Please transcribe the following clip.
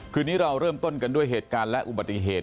คืนนี้เราเริ่มต้นกันด้วยเหตุการณ์และอุบัติเหตุ